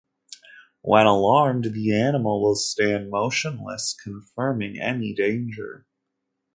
When alarmed, the animal will stand motionless, confirming any danger.